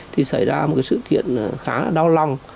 thì xảy ra một cái sự kiện khá là đau lòng